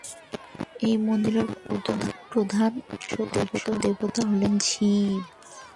এই মন্দিরের প্রধান উপাস্য দেবতা হলেন শিব।